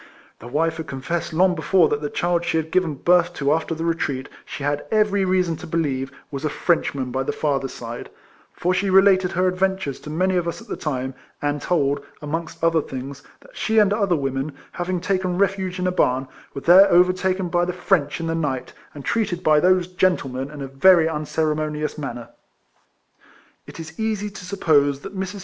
The wife had confessed long before that the child she had given birth to after the retreat, she had every reason to believe, was a Frenchman by the father's side; for she related her adventures to many of us at that time, and told, amongst other things, that she and other Avomen, having taken refuge in a barn, were there overtaken by the French in the night, and treated by those gentlemen in a very un ceremonious manner. It is easy to suppose that ]\Irs.